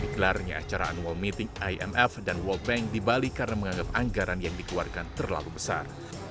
dikelarnya acara annual meeting imf dan world bank di bali karena menganggap anggaran yang dikeluarkan terlalu besar